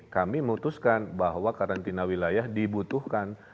kami memutuskan bahwa karantina wilayah dibutuhkan